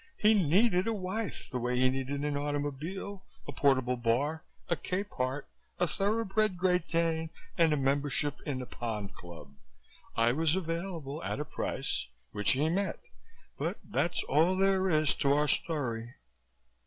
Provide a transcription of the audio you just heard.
He needed a wife the way he needed an automobile, a portable bar, a Capehart, a thoroughbred Great Dane and a membership in the Pond Club. I was available, at a price, which he met but that's all there is to our story."